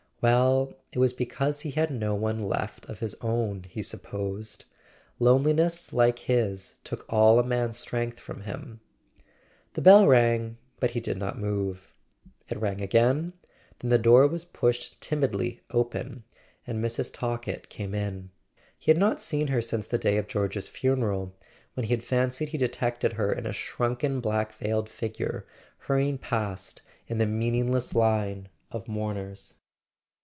Well—it was because he had no one left of his own, he supposed. Loneliness like his took all a man's strength from him. .. The bell rang, but he did not move. It rang again; [ 419 ] A SON AT THE FRONT then the door was pushed timidly open, and Mrs. Tal kett came in. He had not seen her since the day of George's funeral, when he had fancied he detected her in a shrunken black veiled figure hurrying past in the meaningless line of mourners.